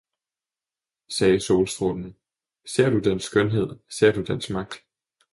sagde solstrålen, ser du dens skønhed, ser du dens magt!